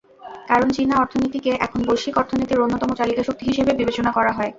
কারণ, চীনা অর্থনীতিকে এখন বৈশ্বিক অর্থনীতির অন্যতম চালিকাশক্তি হিসেবে বিবেচনা করা হয়।